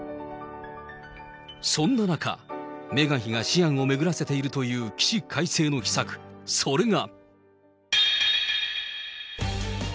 そんな中、メーガン妃が思案を巡らせているという起死回生の秘策、それが。